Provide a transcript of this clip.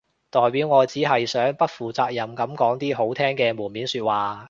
代表我只係想不負責任噉講啲好聽嘅門面說話